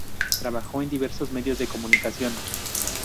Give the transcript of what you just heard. Trabajó en diversos medios de comunicación.